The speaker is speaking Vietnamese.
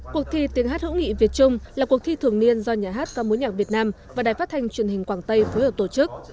cuộc thi tiếng hát hữu nghị việt trung là cuộc thi thường niên do nhà hát ca mối nhạc việt nam và đài phát thanh truyền hình quảng tây phối hợp tổ chức